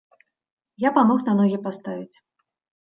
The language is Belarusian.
Я памог на ногі паставіць.